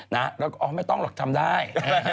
แล้วก็อ๋อไม่ต้องหรอกทำได้